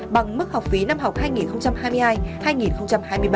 bằng mức học phí năm học hai nghìn hai mươi hai hai nghìn hai mươi ba